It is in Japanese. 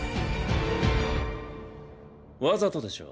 わざとでしょ？